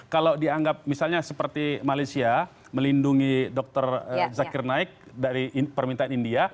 kalau dianggap misalnya seperti malaysia melindungi dr zakir naik dari permintaan india